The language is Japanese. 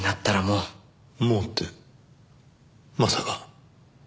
「もう」ってまさか。